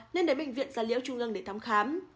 nên đến bệnh viện gia liễu trung ương để thăm khám